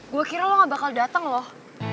gua kira lo gak bakal dateng loh